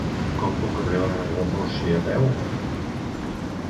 Com puc arribar a Aiguamúrcia a peu?